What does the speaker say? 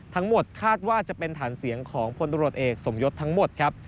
ทั้งหมดคาดว่าจะเป็นฐานเสียงของพลตรวจเอกสมยศทั้งหมดครับ